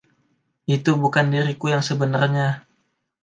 Itu bukan diriku yang sebenarnya.